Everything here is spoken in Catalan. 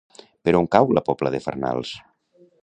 Per on cau la Pobla de Farnals?